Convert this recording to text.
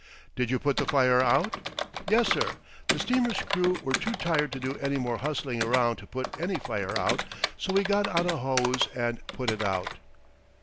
"Did you put the fire out?" "Yes, sir. The steamer's crew were too tired to do any more hustling around to put any fire out, so we got out a hose and put it out."